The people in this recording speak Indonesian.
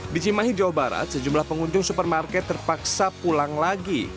dijimahi jawa barat sejumlah pengunjung supermarket terpaksa pulang lagi